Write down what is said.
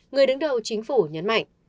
người đứng đầu chính phủ nhấn mạnh